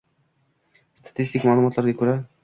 Statistik ma’lumotlarga ko‘ra